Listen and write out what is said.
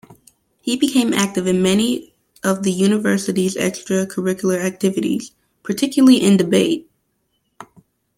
He became active in many of the university's extra-curricular activities, particularly in debate.